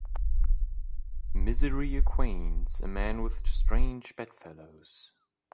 Misery acquaints a man with strange bedfellows